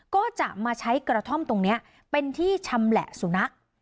ก็จะมาใช้กระท่อมตรงนี้เป็นที่ชำแหละสุนัข